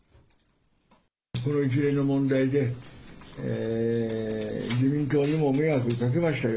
この一連の問題で、自民党にも迷惑かけましたよ。